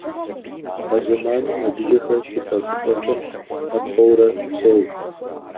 А зэманым адыгэхэр щӀыпӀэ-щӀыпӀэхэм Ӏэпхъуэурэ псэут.